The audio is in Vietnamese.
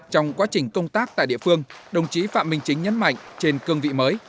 trong quá trình công tác tại địa phương đồng chí phạm minh chính nhấn mạnh trên cương vị mới